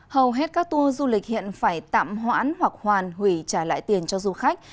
hầu hết các tour du lịch hiện phải tạm hoãn hoặc hoàn hủy trả lại tiền cho du khách